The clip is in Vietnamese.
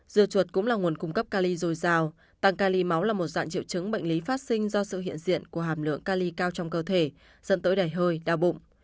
dưa chuột cũng là nguồn cung cấp cali dồi dào tăng cali máu là một dạng triệu chứng bệnh lý phát sinh do sự hiện diện của hàm lượng cali cao trong cơ thể dẫn tới đầy hơi đau bụng